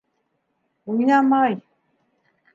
Уйнамай.